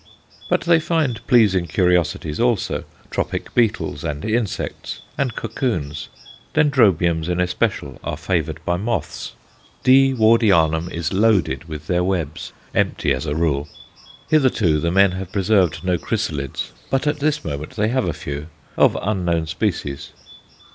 But they find pleasing curiosities also, tropic beetles, and insects, and cocoons. Dendrobiums in especial are favoured by moths; D. Wardianum is loaded with their webs, empty as a rule. Hitherto the men have preserved no chrysalids, but at this moment they have a few, of unknown species.